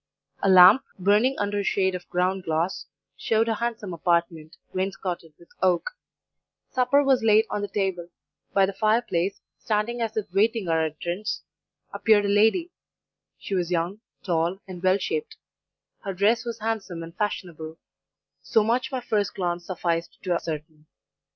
"A lamp, burning under a shade of ground glass, showed a handsome apartment, wainscoted with oak; supper was laid on the table; by the fire place, standing as if waiting our entrance, appeared a lady; she was young, tall, and well shaped; her dress was handsome and fashionable: so much my first glance sufficed to ascertain.